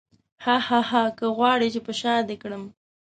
هاهاها که غواړې چې په شاه دې کړم.